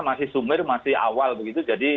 masih sumir masih awal begitu jadi